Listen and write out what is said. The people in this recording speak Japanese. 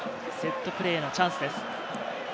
セットプレーのチャンスです。